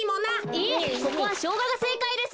いえここはショウガがせいかいです。